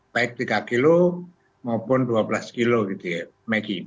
baik tiga kilo maupun dua belas kilo gitu ya